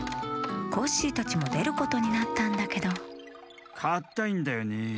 コッシーたちもでることになったんだけどかったいんだよね。